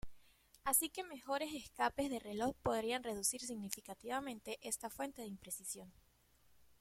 Así que mejores escapes de reloj podrían reducir significativamente esta fuente de imprecisión.